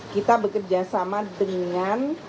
kita bekerja sama dengan